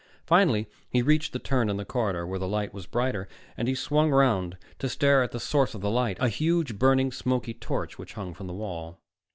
Finally he reached the turn in the corridor where the light was brighter, and he swung around to stare at the source of the light, a huge, burning, smoky torch which hung from the wall.